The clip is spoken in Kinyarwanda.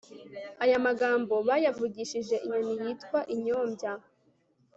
aya magambo bayavugishije inyoni yitwa inyombya